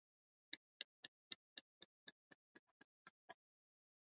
Waislamu tena lugha ya biashara ya watumwa